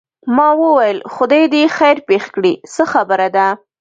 ما وویل خدای دې خیر پېښ کړي څه خبره ده.